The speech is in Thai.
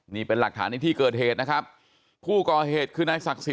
นี่เป็นหลักฐานในที่เกิดเหตุนะครับผู้ก่อเหตุคือนายศักดิ์สิท